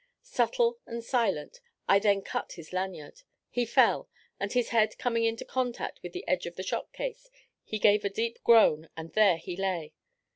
Subtle and silent, I then cut his lanyard: he fell, and his head coming in contact with the edge of the shot case, he gave a deep groan, and there he lay.